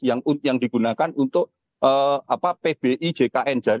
yang digunakan untuk pbi jkn